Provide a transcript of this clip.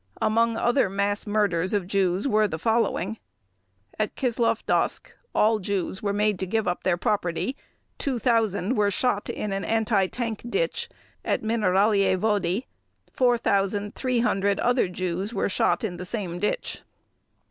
Among other mass murders of Jews were the following: At Kislovdosk all Jews were made to give up their property: 2,000 were shot in an anti tank ditch at Mineraliye Vodi: 4,300 other Jews were shot in the same ditch.